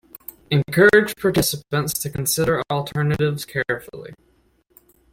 Encourage participants to consider alternatives carefully.